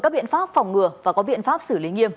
các biện pháp phòng ngừa và có biện pháp xử lý nghiêm